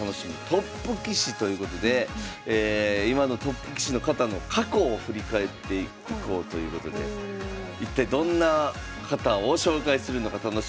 トップ棋士」ということで今のトップ棋士の方の過去を振り返っていこうということで一体どんな方を紹介するのか楽しみにしていただきたいと思います。